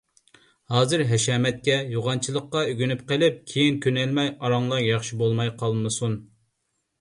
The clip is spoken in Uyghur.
ھازىر ھەشەمەتكە، يوغانچىلىققا ئۆگىنىپ قېلىپ، كېيىن كۆنەلمەي ئاراڭلار ياخشى بولماي قالمىسۇن.